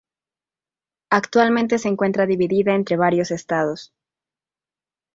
Actualmente se encuentra dividida entre varios estados.